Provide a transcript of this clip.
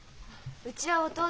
うちは弟。